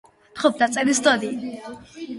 პადუას პროვინციის ადმინისტრაციული ცენტრი.